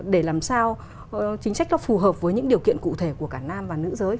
để làm sao chính sách nó phù hợp với những điều kiện cụ thể của cả nam và nữ giới